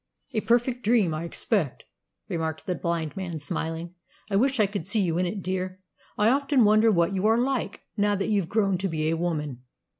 "A perfect dream, I expect," remarked the blind man, smiling. "I wish I could see you in it, dear. I often wonder what you are like, now that you've grown to be a woman."